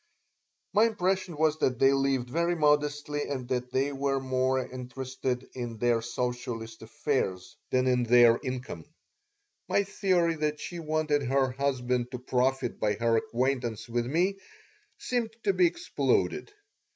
My impression was that they lived very modestly and that they were more interested in their socialist affairs than in their income. My theory that she wanted her husband to profit by her acquaintance with me seemed to be exploded.